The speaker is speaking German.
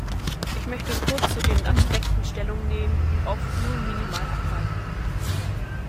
Ich möchte kurz zu den Aspekten Stellung nehmen, die oft nur minimal abweichen.